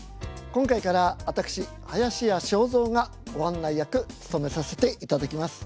今回から私林家正蔵がご案内役務めさせていただきます。